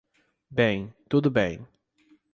Bem, tudo bem.